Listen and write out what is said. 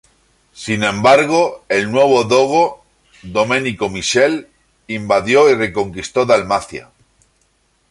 Sin embargo, el nuevo dogo —Domenico Michele— invadió y reconquistó Dalmacia.